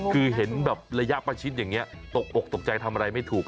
คือเห็นแบบระยะประชิดอย่างนี้ตกอกตกใจทำอะไรไม่ถูก